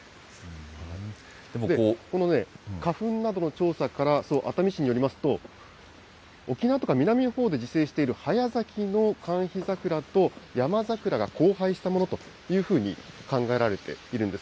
この花粉などの調査から、熱海市によりますと、沖縄とか南のほうで自生している早咲きのカンヒザクラとヤマザクラが交配したものというふうに考えられているんです。